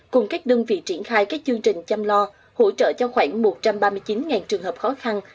cùng các đơn vị triển khai các chương trình chăm lo hỗ trợ cho khoảng một trăm ba mươi chín trường hợp khó khăn